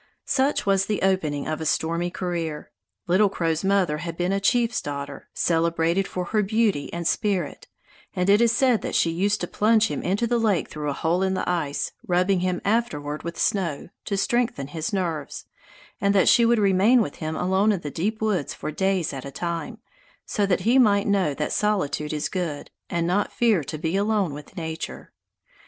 Such was the opening of a stormy career. Little Crow's mother had been a chief's daughter, celebrated for her beauty and spirit, and it is said that she used to plunge him into the lake through a hole in the ice, rubbing him afterward with snow, to strengthen his nerves, and that she would remain with him alone in the deep woods for days at a time, so that he might know that solitude is good, and not fear to be alone with nature.